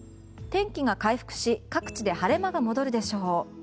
天気が回復し各地で晴れ間が戻るでしょう。